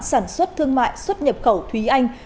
sản xuất thương mại xuất nhập khẩu thúy anh